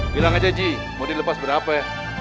bilang aja ji mau dilepas berapa ya